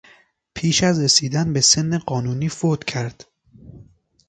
پیش از رسیدن به سن قانونی فوت کرد.